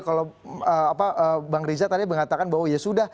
yang memang di undang undang itu tidak ada